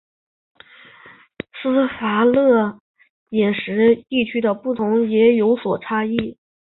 斯洛伐克饮食按照地区的不同也有所差异。